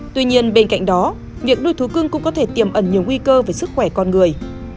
tuy nhiên bên cạnh đó việc nuôi thú cưng cũng có thể tiềm ẩn nhiều nguy cơ về sức khỏe con người